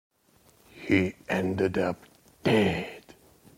He ended up dead.